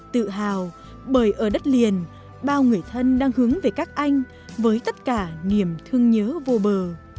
tự hào bởi ở đất liền bao người thân đang hướng về các anh với tất cả niềm thương nhớ vô bờ